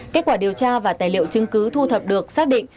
kết quả điều tra và tài liệu chứng cứ thu thập được xác định